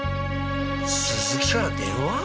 鈴木から電話？